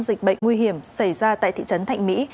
dịch bệnh nguy hiểm xảy ra tại thị trấn thạnh mỹ